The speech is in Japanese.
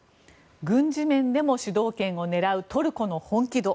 軍事面でも主導権を狙うトルコの本気度。